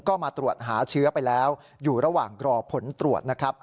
ก็มาตรวจหาเชื้อไปแล้วอยู่ระหว่างรอผลตรวจนะครับ